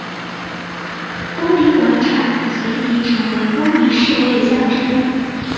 公民广场随即成为公民示威的象征。